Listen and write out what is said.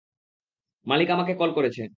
মালিক আমাকে কল করেছে।